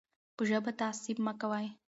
په ژبه تعصب مه کوئ.